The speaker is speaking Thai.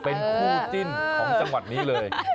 เป็นคู่จิ้นของจังหวัดนี้เลย